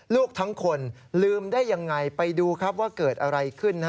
ลูกทั้งคนลืมได้ยังไงไปดูครับว่าเกิดอะไรขึ้น